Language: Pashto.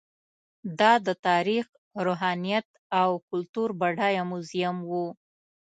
دا د تاریخ، روحانیت او کلتور بډایه موزیم و.